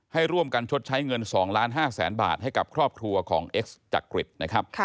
ให้ร่วมกันชดใช้เงิน๒ล้าน๕แสนบาทให้กับครอบครัวของเอ็กซ์จักริตนะครับ